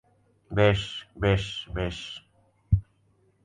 বেশ, বেশ, বেশ!